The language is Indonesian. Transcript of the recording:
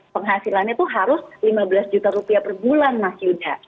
penghasilannya itu harus lima belas juta rupiah per bulan mas yuda